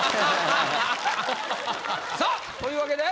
さぁというわけで。